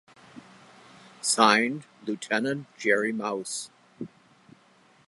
Signed, Lieutenant Jerry Mouse.